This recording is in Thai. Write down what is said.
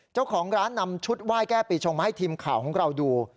เจ้าของร้านนำชุดไหว้แก้ปีชงมาให้ทีมข่าวของเราดู